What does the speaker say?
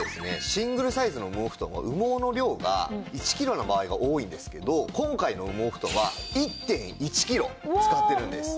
シングルサイズの羽毛布団は羽毛の量が１キロの場合が多いんですけど今回の羽毛布団は１．１キロ使ってるんです。